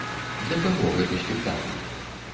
Для каго гэты спектакль?